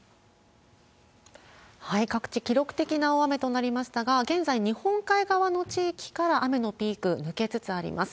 各地、記録的な大雨となりましたが、現在、日本海側の地域から雨のピーク、抜けつつあります。